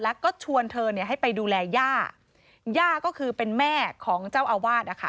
แล้วก็ชวนเธอเนี่ยให้ไปดูแลย่าย่าก็คือเป็นแม่ของเจ้าอาวาสนะคะ